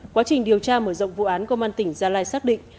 quá trình điều tra mở rộng vụ án công an tỉnh gia lai xác định